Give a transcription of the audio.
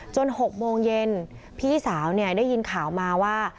จนหกโมงเย็นพี่สาวเนี่ยได้ยินข่าวมาว่า